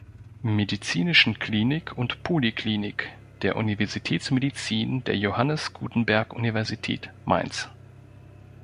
Medizinischen Klinik und Poliklinik" der Universitätsmedizin der Johannes Gutenberg-Universität Mainz.